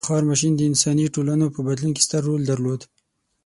• بخار ماشین د انساني ټولنو په بدلون کې ستر رول درلود.